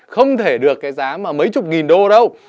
không thể được cái giá mà mấy chục nghìn đô đâu